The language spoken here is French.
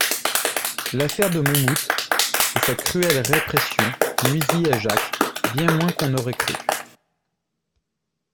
L'affaire de Monmouth et sa cruelle répression nuisit à Jacques bien moins qu'on n'aurait cru.